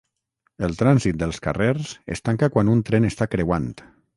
El trànsit dels carrers es tanca quan un tren està creuant.